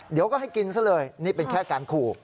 เดี๋ยวก็ให้กินซะเลยนี่เป็นแค่การขู่